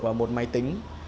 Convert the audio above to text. vào một máy tính